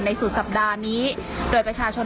สุดสัปดาห์นี้โดยประชาชน